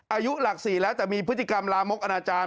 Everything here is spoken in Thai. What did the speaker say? อายุหลัก๔แล้วแต่มีพฤติกรรมลามกอนาจารย์